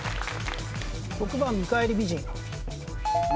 ６番見返り美人。